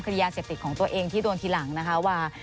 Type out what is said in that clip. คดียาเสพติดของตัวเองที่โดนทีหลังนะคะว่า